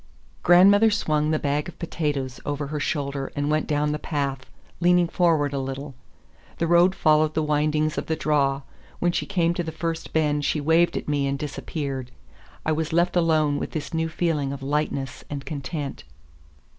Grandmother swung the bag of potatoes over her shoulder and went down the path, leaning forward a little. The road followed the windings of the draw; when she came to the first bend she waved at me and disappeared. I was left alone with this new feeling of lightness and content.